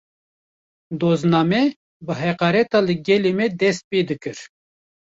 Dozname, bi heqareta li gelê me dest pê dikir